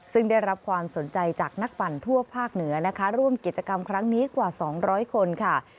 ซึ่งได้รับความสนใจจากนักปั่นทั่วภาคเหนือนะคะร่วมกิจกรรมครั้งนี้กว่า๒๐๐คนค่ะ